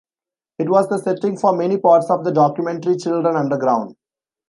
It was the setting for many parts of the documentary Children Underground.